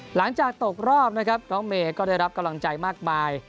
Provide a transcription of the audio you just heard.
หลังจากตกรอบนะครับน้องเมย์ก็ได้รับกำลังใจมากมาย